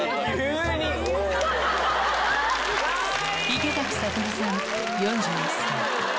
池崎慧さん４１歳。